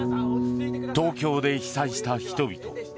東京で被災した人々。